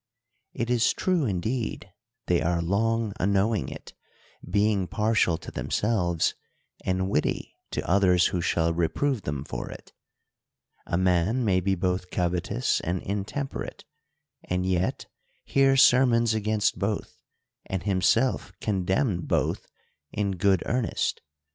It is true indeed, they are long a knowing it, being partial to themselves, and witty to others who shall reprove them for it. A man may be both covetous and intemperate, and yet hear sermons against both, and himself condemn both in good earnest.